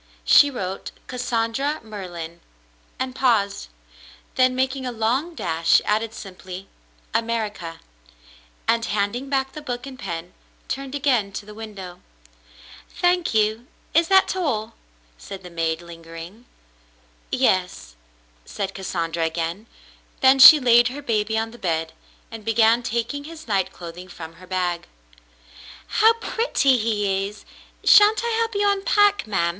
She wrote "Cassandra Merlin —" and paused; then, making a long dash, added simply, "America,'* and, handing back the book and pen, turned again to the window. "Thank you. Is that all ?'' said the maid, lingering. "Yes," said Cassandra again ; then she laid her baby on the bed and began taking his night clothing from her bag. "How pretty he is ! Shan't I help you unpack, ma'm